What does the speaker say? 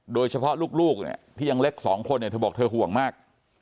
โดยเฉพาะลูกที่ยังเล็ก๒คนเธอบอกเธอห่วงมาก